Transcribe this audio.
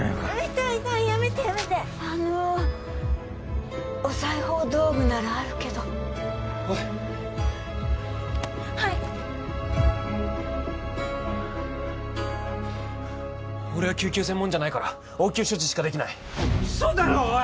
痛い痛いやめてやめてあのお裁縫道具ならあるけどおいはい俺は救急専門じゃないから応急処置しかできない嘘だろおい！